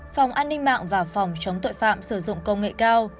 phòng an ninh mạng và phòng chống tội phạm sử dụng công nghệ cao